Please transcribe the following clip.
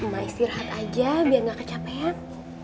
mama istirahat aja biar gak kecapean